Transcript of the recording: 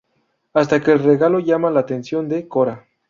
Hasta que el regalo llama la atención de Cora.